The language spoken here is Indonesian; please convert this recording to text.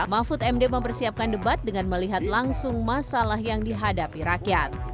mahfud md mempersiapkan debat dengan melihat langsung masalah yang dihadapi rakyat